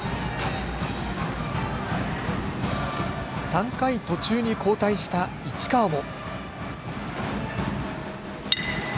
３回途中に交代した市川も。